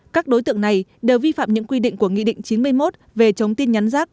các đối tượng này đều vi phạm những quy định của nghị định chín mươi một về chống tin nhắn rác